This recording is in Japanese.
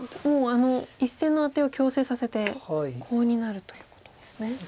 もうあの１線のアテを強制させてコウになるということですね。